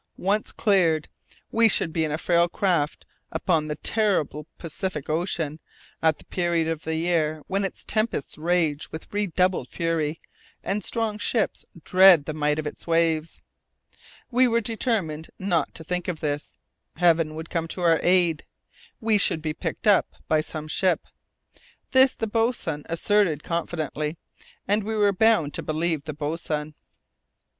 once cleared, we should be in a frail craft upon the terrible Pacific Ocean, at the period of the year when its tempests rage with redoubled fury and strong ships dread the might of its waves. We were determined not to think of this. Heaven would come to our aid. We should be picked up by some ship. This the boatswain asserted confidently, and we were bound to believe the boatswain.